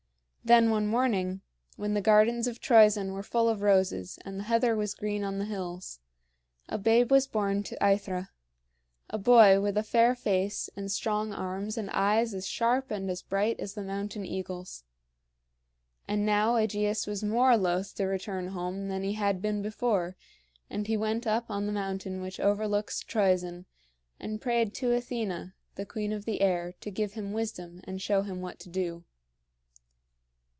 Then one morning, when the gardens of Troezen were full of roses and the heather was green on the hills, a babe was born to AEthra a boy with a fair face and strong arms and eyes as sharp and as bright as the mountain eagle's. And now AEgeus was more loth to return home than he had been before, and he went up on the mountain which overlooks Troezen, and prayed to Athena, the queen of the air, to give him wisdom and show him what to do.